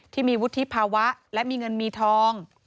ที่มีวุฒิภาวะและมีเงินมีทอง